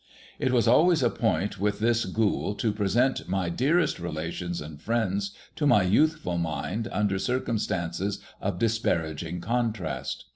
It was always a point with this Ghoul to present my dearest relations and friends to my youthful mind under circumstances of disparaging contrast.